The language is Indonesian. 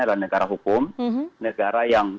adalah negara hukum negara yang